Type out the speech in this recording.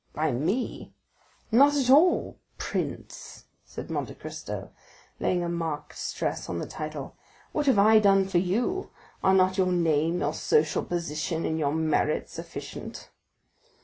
"By me? Not at all, prince," said Monte Cristo laying a marked stress on the title, "what have I done for you? Are not your name, your social position, and your merit sufficient?"